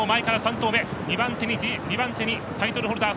２番手にタイトルホルダー。